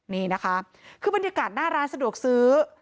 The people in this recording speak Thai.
นี่นะคะคือบรรยากาศหน้าร้านสะดวกซื้อ